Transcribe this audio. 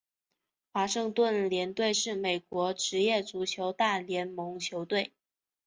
华盛顿联队是美国职业足球大联盟球队。